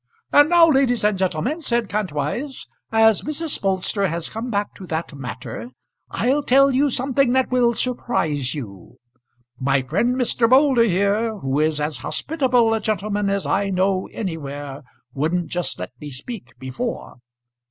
"And now, ladies and gentlemen," said Kantwise, "as Mrs. Bolster has come back to that matter, I'll tell you something that will surprise you. My friend Mr. Moulder here, who is as hospitable a gentleman as I know anywhere wouldn't just let me speak before."